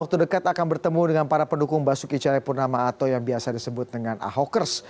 waktu dekat akan bertemu dengan para pendukung basuki cahayapurnama atau yang biasa disebut dengan ahokers